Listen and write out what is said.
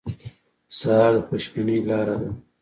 سهار د خوشبینۍ لاره ده.